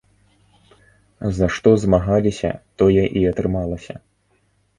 За што змагаліся, тое і атрымалася.